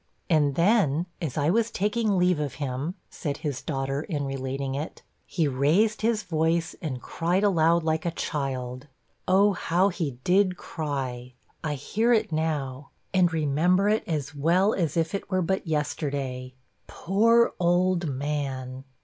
'And then, as I was taking leave of him,' said his daughter, in relating it, 'he raised his voice, and cried aloud like a child Oh, how he DID cry! I HEAR it now and remember it as well as if it were but yesterday poor old man!!!